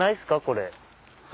これ。